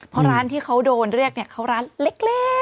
เพราะร้านที่เขาโดนเรียกเนี่ยเขาร้านเล็ก